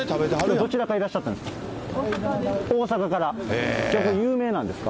どちらからいらっしゃったんですか？